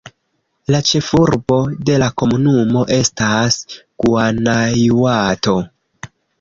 La ĉefurbo de la komunumo estas Guanajuato.